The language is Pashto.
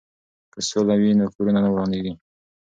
که سوله وي نو کورونه نه ورانیږي.